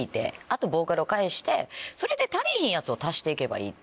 あとボーカルを介してそれで足りひんやつを足して行けばいい。